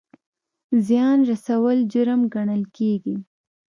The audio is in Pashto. زیان رسول جرم ګڼل کیږي